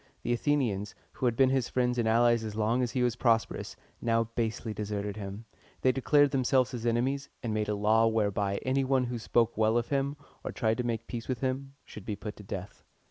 The Athenians, who had been his friends and allies as long as he was prosperous, now basely deserted him. They declared themselves his enemies, and made a law whereby any one who spoke well of him, or tried to make peace with him, should be put to death.